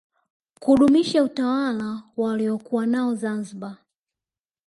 kudumisha utawala waliokuwa nao zanziba